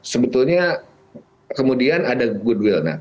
sebetulnya kemudian ada goodwill